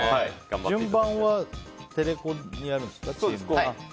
順番はテレコにやるんですか？